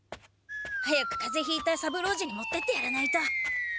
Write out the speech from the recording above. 早くかぜひいた三郎次に持ってってやらないと。